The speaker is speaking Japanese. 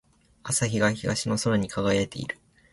朝日が東の空に輝いている。